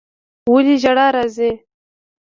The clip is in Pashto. ولي ژړا راځي